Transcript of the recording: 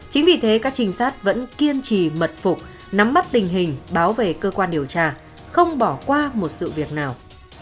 chính vì thế các trinh sát vẫn kiên trì mật phục nắm bắt tình hình báo về cơ quan điều tra không bỏ qua một sự việc nào